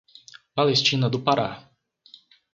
Palestina do Pará